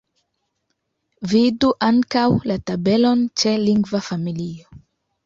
Vidu ankaŭ la tabelon ĉe lingva familio.